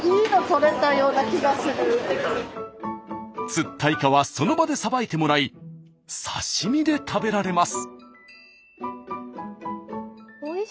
釣ったイカはその場でさばいてもらい刺身で食べられます。